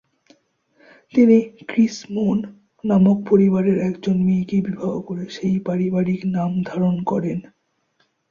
তিনি খ্রি-স্মোন নামক পরিবারের একজন মেয়েকে বিবাহ করে সেই পারিবারিক নাম ধারণ করেন।